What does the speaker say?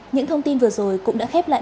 những thông tin vừa rồi cũng đã khép lại